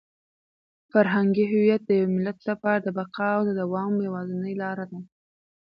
فرهنګي هویت د یو ملت لپاره د بقا او د دوام یوازینۍ لاره ده.